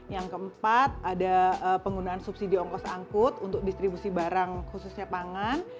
yang keempat ada penggunaan subsidi ongkos angkut untuk distribusi barang khususnya pangan